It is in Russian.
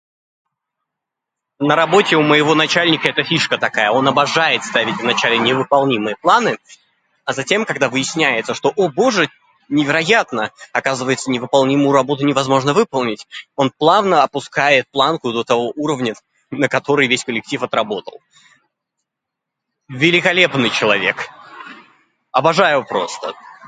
На работе у моего начальника это фишка такая. Он обожает ставить в начале невыполнимые планы. А затем, когда выясняется, что, о боже! Невероятно! Оказывается, невыполнимую работу невозможно выполнить. Он плавно опускает планку до того уровня, на который весь коллектив отработал. Великолепный человек. Обожаю просто!